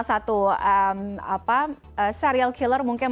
kenapa di dalam cor convolution